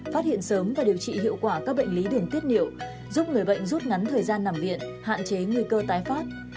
phát hiện sớm và điều trị hiệu quả các bệnh lý đường tiết niệu giúp người bệnh rút ngắn thời gian nằm viện hạn chế nguy cơ tái phát